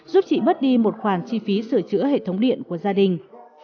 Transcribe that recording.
giúp chị bớt đi một khoản chi phí sửa chữa hệ thống điện của gia đình